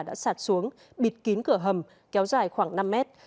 đã sạt xuống bịt kín cửa hầm kéo dài khoảng năm mét